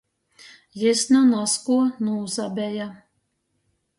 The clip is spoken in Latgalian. Jis nu nazkuo nūsabeja.